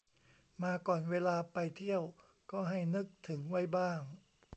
มาก่อนเวลาไปเที่ยวก็ให้นึกถึงไว้บ้าง